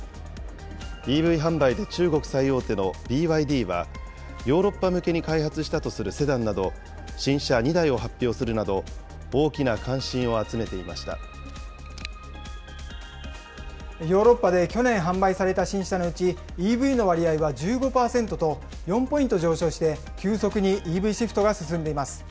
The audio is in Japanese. ＥＶ販売で中国最大手のＢＹＤは、ヨーロッパ向けに開発したとするセダンなど、新車２台を発表するなど、大きな関心を集めていましヨーロッパで去年販売された新車のうち、ＥＶの割合は１５％と、４ポイント上昇して、急速にＥＶシフトが進んでいます。